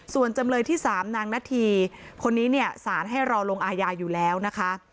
ส่วนจำเลยที่๓นางนาธีคนนี้เนี่ยสารให้รอลงอาญาอยู่แล้วนะคะ